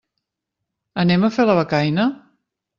Anem a fer la becaina?